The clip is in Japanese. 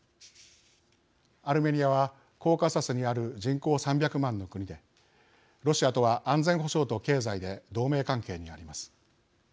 アルメニアはコーカサスにある人口３００万の国でロシアとは安全保障と経済で同盟関係にあります。